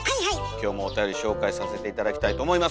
今日もおたより紹介させて頂きたいと思います。